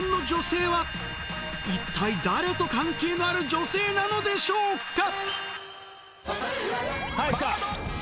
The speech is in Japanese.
一体誰と関係のある女性なのでしょうか？